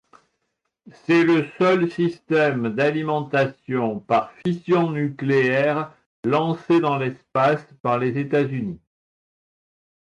C'est le seul système d'alimentation par fission nucléaire lancé dans l'espace par les États-Unis.